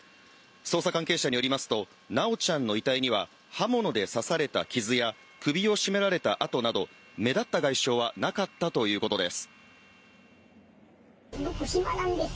捜査関係者によりますと、修ちゃんの遺体には刃物で刺された傷や首を絞められた跡など目立った外傷はなかったということです。